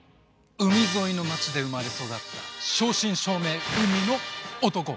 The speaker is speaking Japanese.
海沿いの町で生まれ育った正真正銘海の男